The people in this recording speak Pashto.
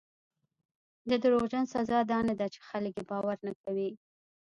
د دروغجن سزا دا نه ده چې خلک یې باور نه کوي.